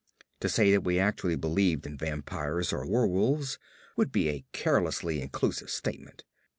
To say that we actually believed in vampires or werewolves would be a carelessly inclusive statement.